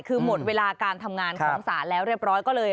คือหมดเวลาการทำงานของศาลแล้วเรียบร้อยก็เลย